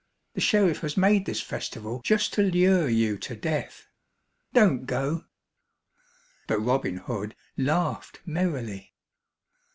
The sheriff has made this festival just to lure you to death. Don't go." But Robin Hood laughed merrily.